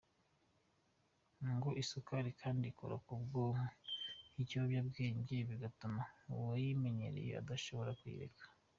Ngo isukari kandi ikora ku bwonko nk’ikiyobyabwenge bigatuma uwayimenyereye adashobora kuyireka.